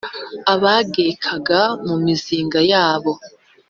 abegekaga mo imizinga yabo